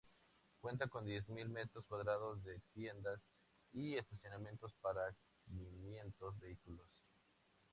Cuenta con diez mil metros cuadrados de tiendas y estacionamientos para quinientos vehículos.